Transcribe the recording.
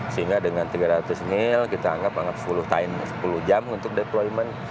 sehingga dengan tiga ratus mil kita anggap sepuluh jam untuk deployment